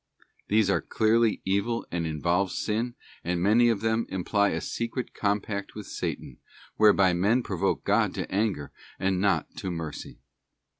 These are clearly evil and involve sin, and many of them imply a secret compact with Satan, whereby men provoke God to anger and not to mercy.